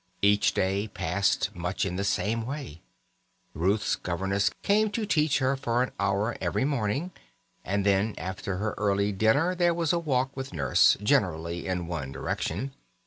Each day passed much in the same way. Ruth's governess came to teach her for an hour every morning, and then after her early dinner there was a walk with Nurse, generally in one direction.